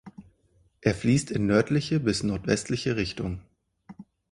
Er fließt in nördliche bis nordwestliche Richtung.